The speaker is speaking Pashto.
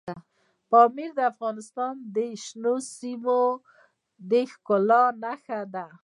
پامیر د افغانستان د شنو سیمو د ښکلا نښه ده.